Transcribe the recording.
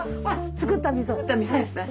造ったみそですね。